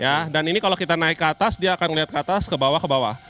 ya dan ini kalau kita naik ke atas dia akan melihat ke atas ke bawah ke bawah